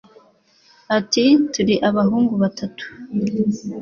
Ati Turi abahungu batatu